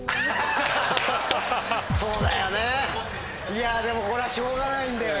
いやでもこれはしょうがないんだよ